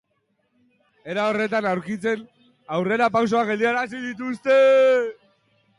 Era honetara aurkarien aurrera pausoak geldiarazi dituzte.